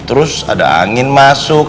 terus ada angin masuk